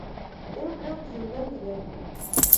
¡Eu creo que se entende ben!